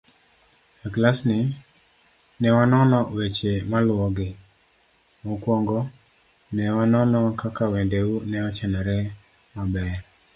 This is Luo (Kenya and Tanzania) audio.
E klasni, ne wanono weche maluwogi; mokwongo, ne wanono kaka wendeu ne ochanore maber.